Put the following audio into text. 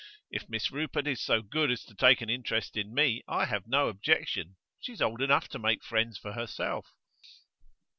If Miss Rupert is so good as to take an interest in me, I have no objection. She's old enough to make friends for herself.